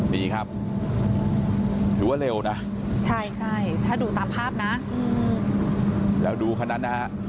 นี่ครับถือว่าเร็วนะใช่ใช่ถ้าดูตามภาพนะแล้วดูคันนั้นนะฮะ